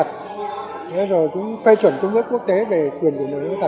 thế rồi cũng phê chuẩn công ước quốc tế về quyền của người khuyết tật